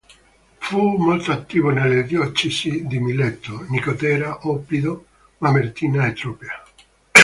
Fu molto attivo nelle diocesi di Mileto, Nicotera, Oppido Mamertina e Tropea.